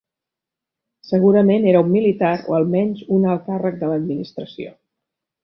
Segurament era un militar o almenys un alt càrrec de l'administració.